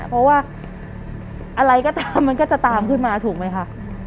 เพราะว่าอะไรก็ตามมันก็จะตามขึ้นมาถูกไหมคะ